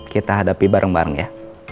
kita hadapi bareng bareng ya